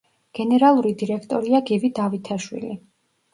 გენერალური დირექტორია გივი დავითაშვილი.